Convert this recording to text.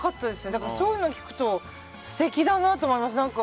だから、そういうのを聞くと素敵だなと思います。